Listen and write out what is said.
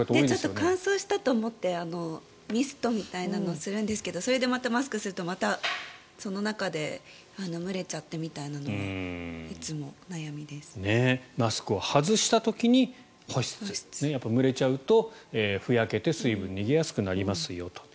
乾燥したと思ってミストみたいなのをするんですがそれでまたマスクをするとまたその中で蒸れちゃってみたいなものがマスクを外した時に保湿蒸れちゃうと、ふやけて水分が逃げやすくなりますよと。